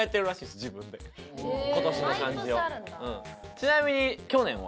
ちなみに去年は？